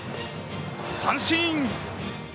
三振！